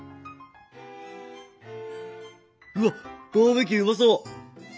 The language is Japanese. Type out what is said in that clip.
うわっバーベキューうまそう！